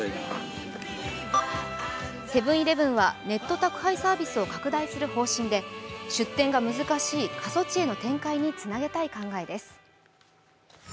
セブン−イレブンはネット宅配サービスを拡大する方針で、出店が難しい過疎地への展開につなげたい考えです。